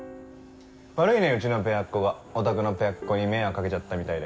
悪いねうちのペアっ子がおたくのペアっ子に迷惑掛けちゃったみたいで。